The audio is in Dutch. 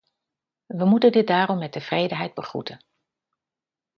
We moeten dit daarom met tevredenheid begroeten.